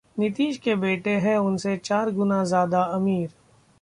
नीतीश के बेटे हैं उनसे चार गुना ज्यादा अमीर